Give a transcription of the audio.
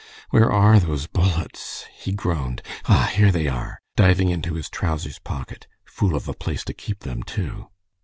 "Where are those bullets?" he groaned. "Ah, here they are!" diving into his trousers pocket. "Fool of a place to keep them, too!"